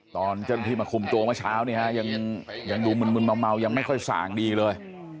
ตอนเจ้าที่มาคุมโจงเมื่อเช้าเนี่ยยังดูมึนมัวยังไม่ค่อยสางดีเลย